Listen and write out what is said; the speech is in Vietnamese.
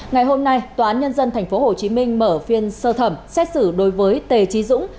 ngày hôm nay tòa án nhân dân tp hcm mở phiên sơ thẩm xét xử đối với tề trí dũng